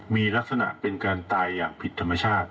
มีลักษณะเป็นการตายอย่างผิดธรรมชาติ